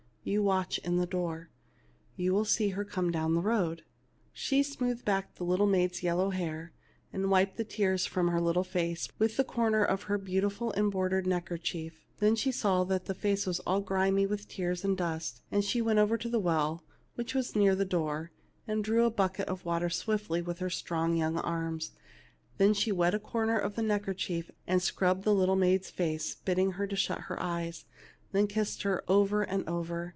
You watch in the door, and you will see her come down the road." She smoothed back the little maid's yellow hair, and wiped the tears from her little face with a corner of her beautiful embroidered neck erchief. Then she saw that the face was all grimy with tears and dust, and she went over to the well, which was near the door, and drew a bucket of water swiftly w T ith her strong young arms ; then she wet the corner of the neckerchief and scrubbed the little maid's face, bidding her shut her eyes. Then she kissed her over and over.